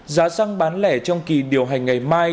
giá xăng bán lẻ trong kỳ điều hành ngày mai